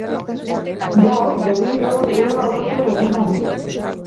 Gaur berriro greba orokor eguna dute.